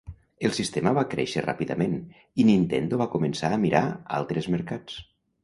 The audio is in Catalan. El sistema va créixer ràpidament, i Nintendo va començar a mirar altres mercats.